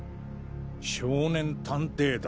少年探偵団